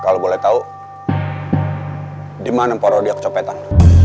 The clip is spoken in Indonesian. kalau boleh tahu di mana porodia kecopetan